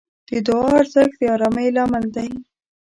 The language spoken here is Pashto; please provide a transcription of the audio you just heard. د دعا ارزښت د آرامۍ لامل دی.